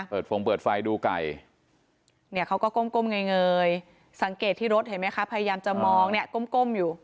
ฟงเปิดไฟดูไก่เนี่ยเขาก็ก้มเงยสังเกตที่รถเห็นไหมคะพยายามจะมองเนี่ยก้มอยู่